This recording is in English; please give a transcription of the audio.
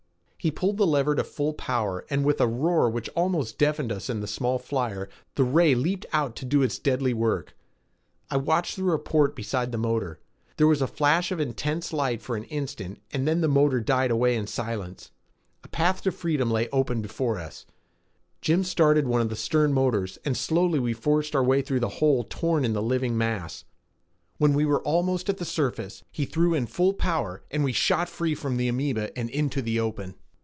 He pulled the lever to full power and with a roar which almost deafened us in the small flyer, the ray leaped out to do its deadly work. I watched through a port beside the motor. There was a flash of intense light for an instant and then the motor died away in silence. A path to freedom lay open before us. Jim started one of the stern motors and slowly we forced our way through the hole torn in the living mass. When we were almost at the surface, he threw in full power and we shot free from the amoeba and into the open.